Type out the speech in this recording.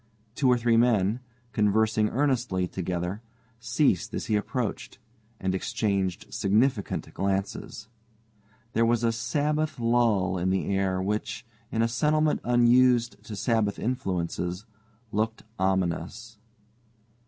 Two or three men, conversing earnestly together, ceased as he approached, and exchanged significant glances. There was a Sabbath lull in the air which, in a settlement unused to Sabbath influences, looked ominous.